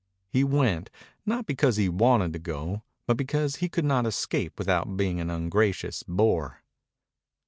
He went, not because he wanted to go, but because he could not escape without being an ungracious boor.